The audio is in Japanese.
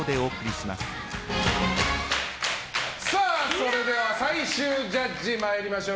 それでは最終ジャッジまいりましょう。